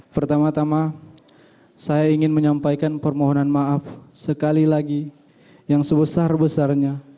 pertama tama saya ingin menyampaikan permohonan maaf sekali lagi yang sebesar besarnya